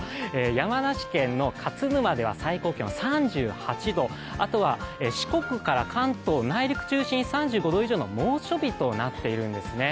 山梨県の勝沼では最高気温３８度、あとは四国から関東内陸中心に３５度以上の猛暑日となっているんですね。